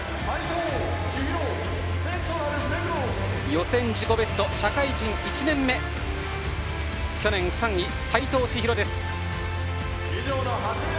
予選自己ベスト、社会人１年目去年３位、斎藤千紘です。